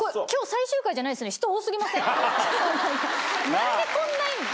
何でこんないんの？